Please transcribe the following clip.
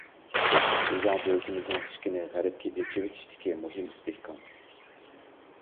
شىنجاڭ دۆلىتىمىزنىڭ ئىشىكنى غەربكە ئېچىۋېتىشىدىكى مۇھىم ئىستىھكام.